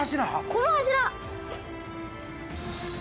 この柱。